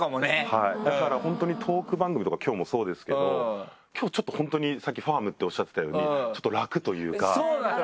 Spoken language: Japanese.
はいだから本当にトーク番組とか今日もそうですけど今日本当にさっき「ファーム」っておっしゃってたようにちょっと楽というか。